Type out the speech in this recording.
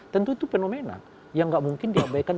tentu itu fenomena yang gak mungkin diabaikan